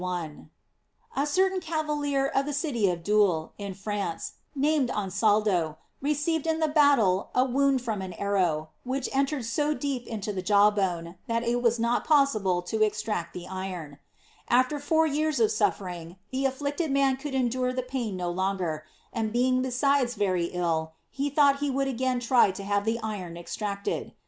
— A certain cavalier, of the city of Doul, in France, named Ansaldo, received in the battle a wound from an arrow, which entered so deep into the jaw bone, that it was not possible to extract the iron. After four years of suffering, the afflicted man could endure the pain no long er, and being besides very ill, he thought he would asrain try to have the iron extracted. He * Chronic. Cisterc. t Chron. Min.